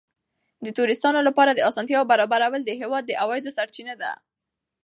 د توریستانو لپاره د اسانتیاوو برابرول د هېواد د عوایدو سرچینه ده.